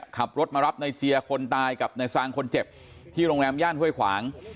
ขับรถมารับในเจียคนตายกับนายซางคนเจ็บที่โรงแรมย่านห้วยขวาง